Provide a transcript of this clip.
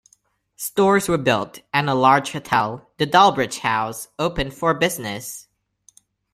Stores were built and a large hotel, the Delbridge House, opened for business.